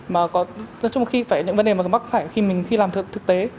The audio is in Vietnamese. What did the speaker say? mà có trong một khi phải những vấn đề mà cần bắt phải khi mình khi làm thực tế